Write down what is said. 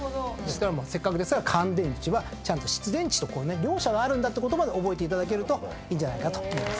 せっかくですから乾電池はちゃんと湿電池と両者があるんだってことまで覚えていただけるといいんじゃないかと思います。